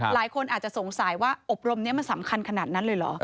หลายคนอาจจะสงสัยว่าอบรมนี้มันสำคัญขนาดนั้นเลยเหรอ